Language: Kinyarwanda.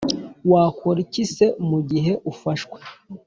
Wakora iki se mu gihe ufashwe